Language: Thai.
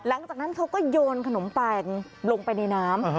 หลังจากนั้นเขาก็โยนขนมปังลงไปในน้ำ